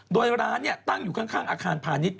โดยร้านตั้งอยู่ข้างอาคารพาณิชย